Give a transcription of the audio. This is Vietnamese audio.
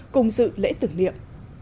cùng dự lễ tưởng niệm